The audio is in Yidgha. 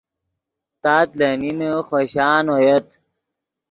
تات لے نین خوشان اویت